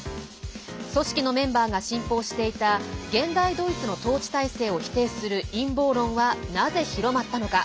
組織のメンバーが信奉していた現代ドイツの統治体制を否定する陰謀論は、なぜ広まったのか。